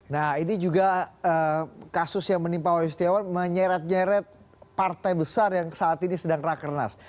nah ini juga kasus yang menimpa wahyu setiawan menyeret nyeret partai besar yang saat ini sedang rakernas